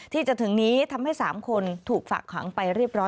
ที่จะถึงนี้ทำให้๓คนถูกฝากขังไปเรียบร้อย